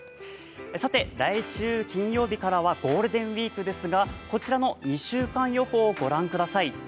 さて、来週金曜日からはゴールデンウイークですがこちらの２週間予報を御覧ください